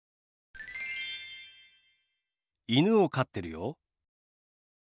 犬を飼ってるよ。